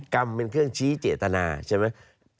กรรมเป็นเครื่องชี้เจตนาใช่ไหม